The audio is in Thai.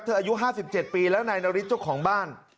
อายุ๕๗ปีแล้วนายนาริสเจ้าของบ้าน